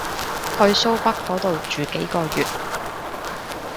去蘇北嗰度住幾個月